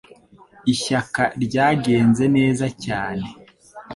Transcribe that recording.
Ishyaka ryagenze neza cyane.